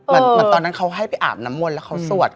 เหมือนตอนนั้นเขาให้ไปอาบน้ำมนต์แล้วเขาสวด